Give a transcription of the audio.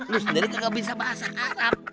lu sendiri gak bisa bahasa arab